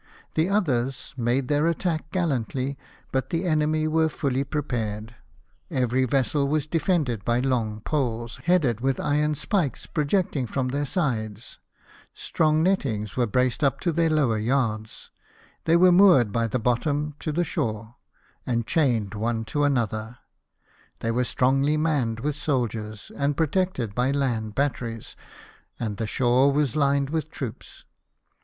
The others made their attack gallantly, but the enemy were fully prepared ; every vessel was defended by long poles, headed with iron spikes, projecting from their sides ; strong nettings were braced up to their lower yards ; they were moored by the bottom to the shore, and chained one to another ; they were strongly manned with soldiers, and protected by land batteries, and the shore was lined with troops.